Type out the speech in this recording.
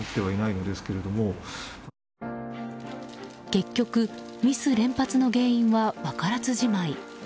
結局、ミス連発の原因は分からずじまい。